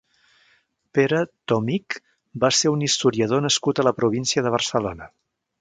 Pere Tomic va ser un historiador nascut a la província de Barcelona.